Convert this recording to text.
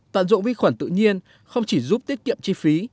tận dụng vi khuẩn tự nhiên không chỉ giúp tiết kiệm chi phí